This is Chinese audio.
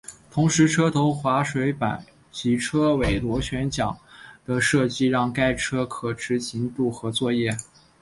同时车头滑水板及车尾螺旋桨的设计让该车可执行渡河作业。